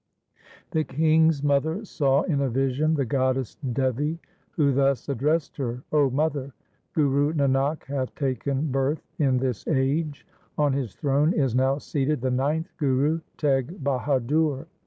The king's mother saw in a vision the goddess Devi, who thus addressed her :—' O mother, Guru Nanak hath taken birth in this age. On his throne is now seated the ninth Guru, Teg Bahadur.